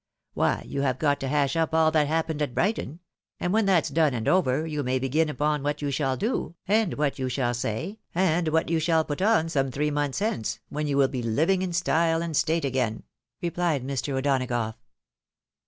Why, you have got to hash up all that happened at Brighton ; and when that's done and over, you may begin upon what you shall do, and 'what you shall say, and what you shall put on some three months hence, when you will be Hving in style and state again," rephed Mr. O'Donagough.